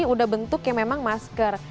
udah bentuk yang memang masker